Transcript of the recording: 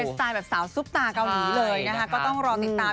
สไตล์แบบสาวซุปตาเกาหลีเลยนะคะก็ต้องรอติดตาม